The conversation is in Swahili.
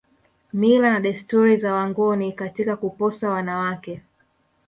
Mila na desturi za wangoni katika kuposa wanawake